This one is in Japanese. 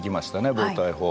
暴対法。